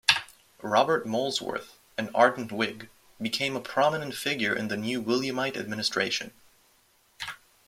Robert Molesworth, an ardent Whig, became a prominent figure in the new Williamite administration.